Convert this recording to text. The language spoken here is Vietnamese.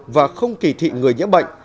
và không kỳ thị người nhớ bệnh